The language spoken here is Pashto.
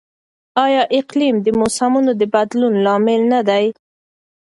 آیا اقلیم د موسمونو د بدلون لامل نه دی؟